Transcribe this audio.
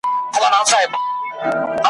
ډوډۍ که پردۍ وه ګیډه خو دي خپله وه ,